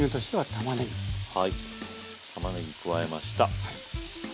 たまねぎ加えました。